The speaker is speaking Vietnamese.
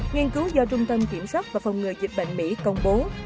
nghiên cứu do trung tâm kiểm soát và phòng ngừa dịch bệnh mỹ công bố